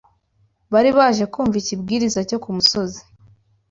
bari baje kumva Ikibwirizwa cyo ku Musozi